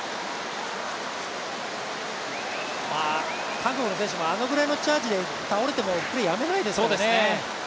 韓国の選手もあれくらいのチャージで倒れてもプレーやめないですからね。